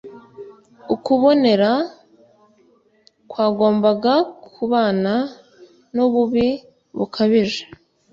ukubonera kwagombaga kubana n'ububi bukabije.